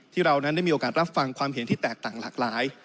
เรานั้นได้มีโอกาสรับฟังความเห็นที่แตกต่างหลากหลาย